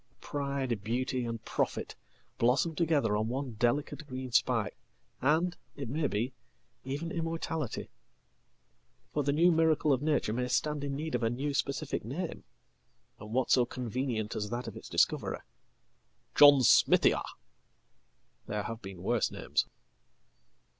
Pride, beauty, and profit blossom together on onedelicate green spike, and, it may be, even immortality. For the newmiracle of nature may stand in need of a new specific name, and what soconvenient as that of its discoverer? "John smithia"! There have beenworse names.